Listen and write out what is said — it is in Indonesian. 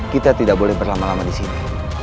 kita tidak boleh berlama lama disini